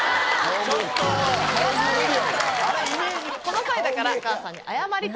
この際だからお母さんに。